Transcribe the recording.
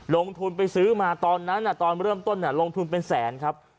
ลงทุนไปซื้อมาตอนนั้นตอนเริ่มต้นลงทุนเป็นแสนครับ